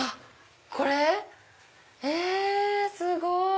これ⁉えすごい！